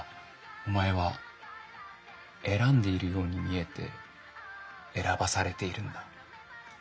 お前は選んでいるように見えて選ばされているんだ。